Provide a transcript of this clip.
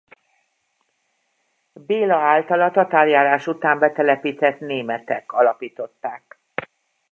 Béla által a tatárjárás után betelepített németek alapították.